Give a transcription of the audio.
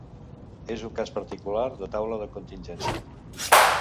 És un cas particular de taula de contingència.